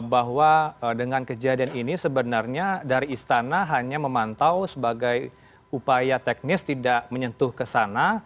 bahwa dengan kejadian ini sebenarnya dari istana hanya memantau sebagai upaya teknis tidak menyentuh ke sana